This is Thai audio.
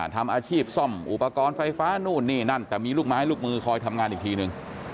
ทำอาชีพซ่อมอุปกรณ์ไฟฟ้านู่นนี่นั่นแต่มีลูกไม้ลูกมือคอยทำงานอีกทีนึง